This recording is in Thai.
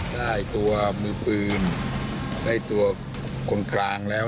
ได้ตัวมือปืนได้ตัวคนกลางแล้ว